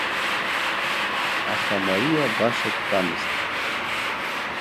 Аха Мариа баша дтәамызт.